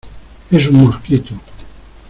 es un mosquito.